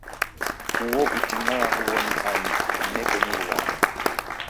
Uo utinyagha huw'o ni ani? Mnekenyi w'ughanga.